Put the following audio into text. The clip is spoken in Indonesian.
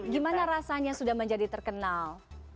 gimana rasanya sudah menjadi terkenal